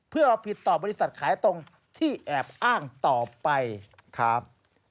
เพื่อเอาผิดต่อบริษัทขายตรงที่แอบอ้างต่อไปครับ